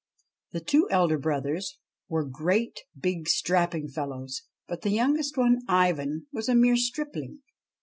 The two elder brothers were great big, strapping fellows, but the youngest one, Ivan, was a mere stripling.